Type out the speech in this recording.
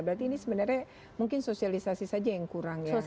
berarti ini sebenarnya mungkin sosialisasi saja yang kurang ya